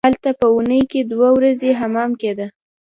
هلته په اونۍ کې دوه ورځې حمام کیده.